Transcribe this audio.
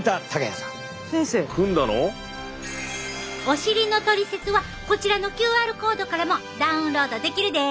お尻のトリセツはこちらのＱＲコードからもダウンロードできるで。